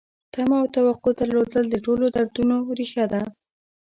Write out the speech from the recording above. تمه او توقع درلودل د ټولو دردونو ریښه ده.